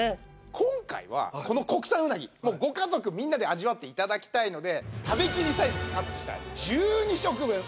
今回はこの国産うなぎご家族みんなで味わって頂きたいので食べ切りサイズにパックしてある１２食分。